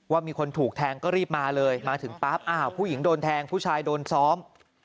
ว่ามีคนถูกแทงก็รีบมาเลยมาถึงปั๊บอ้าวผู้หญิงโดนแทงผู้ชายโดนซ้อม